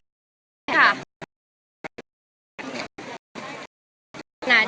มีแต่โดนล้าลาน